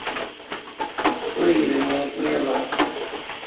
Ur yebni ad kem-iẓer.